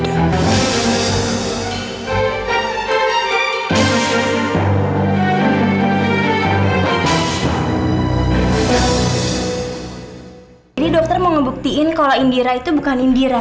jadi dokter mau ngebuktiin kalau indira itu bukan indira